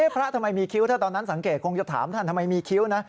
พระทำไมมีคิ้วถ้าตอนนั้นสังเกตคงจะถามท่านทำไมมีคิ้วนะ